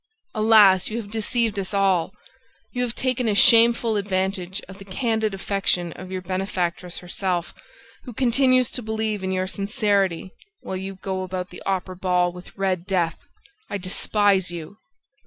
Alas, you have deceived us all! You have taken a shameful advantage of the candid affection of your benefactress herself, who continues to believe in your sincerity while you go about the Opera ball with Red Death! ... I despise you!